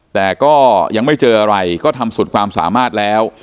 แต่ก็ยังไม่เจออะไรก็ทำสุดความสามารถแล้ว